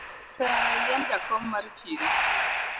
Ji osea eliend jakom mar chiro